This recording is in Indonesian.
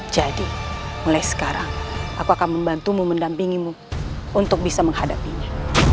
jadi mulai sekarang aku akan membantumu mendampingimu untuk bisa menghadapinya